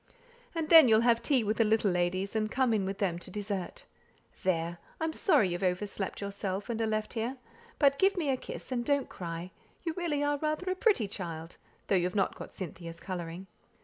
And then you'll have tea with the little ladies, and come in with them to dessert. There! I'm sorry you've over slept yourself, and are left here; but give me a kiss, and don't cry you really are rather a pretty child, though you've not got Cynthia's colouring!